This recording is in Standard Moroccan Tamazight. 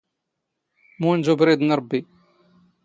ⵎⵓⵏ ⴷ ⵓⴱⵔⵉⴷ ⵏ ⵕⴱⴱⵉ